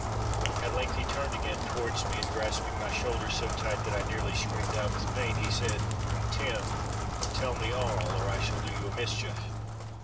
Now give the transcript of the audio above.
At length he turned again towards me, and, grasping my shoulder so tight that I nearly screamed out with pain, he said, 'Tim, tell me all, or I shall do you a mischief.